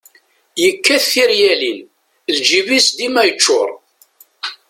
Yekkat tiryalin, lǧib-is dima yeččur.